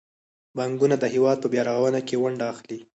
بانکونه د هیواد په بیارغونه کې ونډه اخلي.